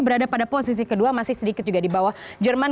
berada pada posisi kedua masih sedikit juga di bawah jerman